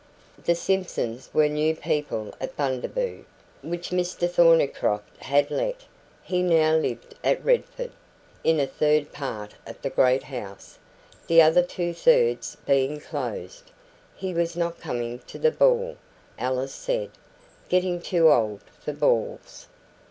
The Simpsons were new people at Bundaboo, which Mr Thornycroft had let. He now lived at Redford in a third part of the great house, the other two thirds being closed. He was not coming to the ball, Alice said. "Getting too old for balls."